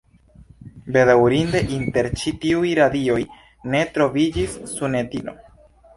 Bedaŭrinde inter ĉi tiuj radioj ne troviĝis Sunetino.